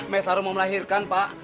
mesaro mau melahirkan pak